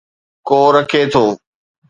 ڪو رکي ٿو